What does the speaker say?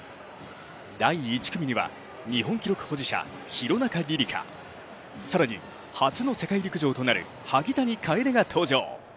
第１組には日本記録保持者、廣中璃梨佳、更に初の世界陸上となる萩谷楓が登場。